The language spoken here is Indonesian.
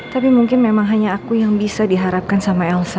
tapi mungkin memang hanya aku yang bisa diharapkan sama elsa